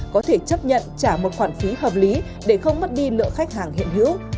có thể chấp nhận trả một khoản phí hợp lý để không mất đi lượng khách hàng hiện hữu